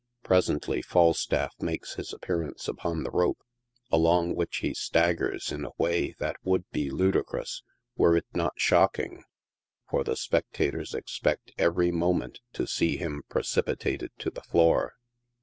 Presently Falstaff makes his appearance upon the rope, along which he staggers in a way that would be ludicrous, were it not shocking, for the spectators expect every moment to see him precipitated to the floor.